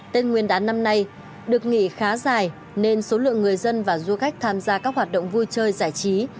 tên nguyên đán năm nay được nghỉ khá dài nên số lượng người dân và du khách tham gia các hoạt động vui chơi giải trí